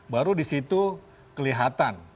baru disitu kelihatan